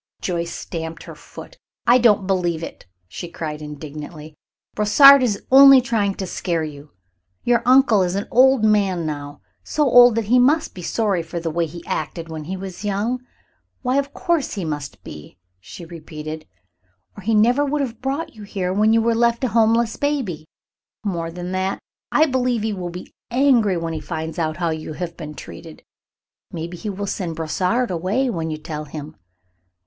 Joyce stamped her foot. "I don't believe it," she cried, indignantly. "Brossard is only trying to scare you. Your uncle is an old man now, so old that he must be sorry for the way he acted when he was young. Why, of course he must be," she repeated, "or he never would have brought you here when you were left a homeless baby. More than that, I believe he will be angry when he finds how you have been treated. Maybe he will send Brossard away when you tell him."